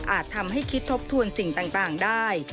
ทำให้คิดทบทวนสิ่งต่างได้